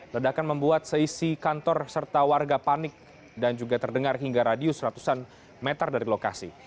ledakan membuat seisi kantor serta warga panik dan juga terdengar hingga radius ratusan meter dari lokasi